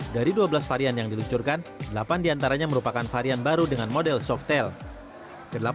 dari dua belas varian yang diluncurkan delapan diantaranya merupakan varian baru dengan model soft tale